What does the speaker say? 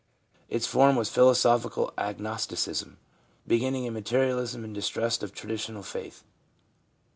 Its form was philosophical agnosticism, beginning in materialism and distrust of traditional faith.'